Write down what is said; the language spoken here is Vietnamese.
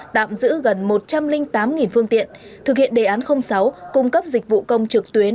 tạm giữ gần một trăm linh tám phương tiện thực hiện đề án sáu cung cấp dịch vụ công trực tuyến